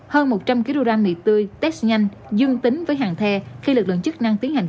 hơn một trăm linh kg mì tươi test nhanh dương tính với hàng the khi lực lượng chức năng tiến hành